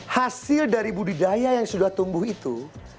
hasil dari budidaya yang sudah tumbuh itu